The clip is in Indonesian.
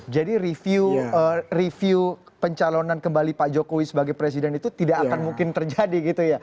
jadi review pencalonan kembali pak jokowi sebagai presiden itu tidak akan mungkin terjadi gitu ya